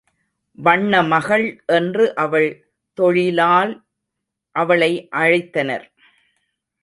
வண்ணமகள் என்று அவள் தொழிலால் அவளை அழைத்தனர்.